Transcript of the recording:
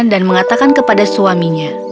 dan mengatakan kepada suaminya